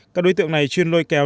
các đối tượng này chuyên lôi kéo